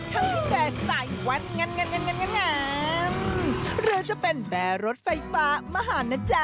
ถ้าพี่แบร์ส์ใส่วันงั้นหรือจะเป็นแบร์ส์รถไฟฟ้ามหาญนะจ๊ะ